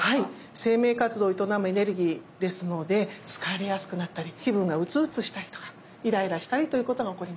生命活動を営むエネルギーですので疲れやすくなったり気分が鬱々したりとかイライラしたりということが起こります。